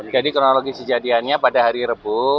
jadi kronologi sejadiannya pada hari rebu